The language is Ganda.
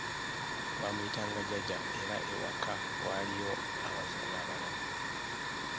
Baamuyitanga 'jjajja' era ewaka waaliwo abazzukulu abalala.